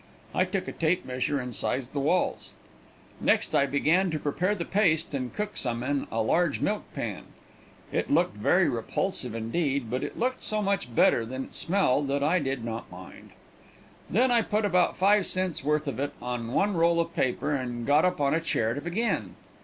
I took a tape measure and sized the walls. Next I began to prepare the paste and cook some in a large milk pan. It looked very repulsive indeed, but it looked so much better than it smelled, that I did not mind. Then I put about five cents' worth of it on one roll of paper, and got up on a chair to begin.